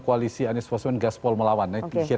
koalisi anies fosun gaspol melawan